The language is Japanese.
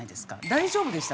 大丈夫でした？